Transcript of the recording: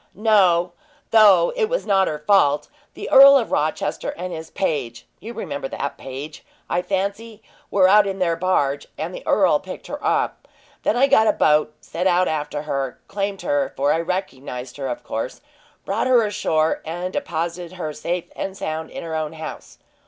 "No, though it was not her fault. The Earl of Rochester and his page you remember that page, I fancy were out in their barge, and the earl picked her up. Then I got a boat, set out after her, claimed her for I recognized her, of course brought her ashore, and deposited her safe and sound in her own house.